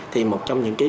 thì một trong những cái